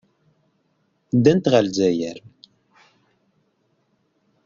Ddant ɣer Lezzayer.